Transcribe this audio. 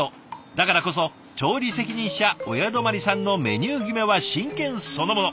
だからこそ調理責任者親泊さんのメニュー決めは真剣そのもの。